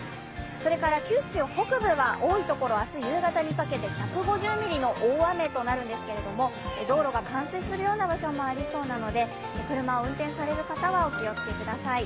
それから九州北部は多いところ明日多いところは１５０ミリの大雨となるんですが、道路が冠水するような場所もありそうなので車を運転される方はお気をつけください。